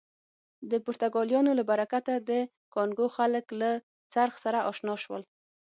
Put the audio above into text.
د پرتګالیانو له برکته د کانګو خلک له څرخ سره اشنا شول.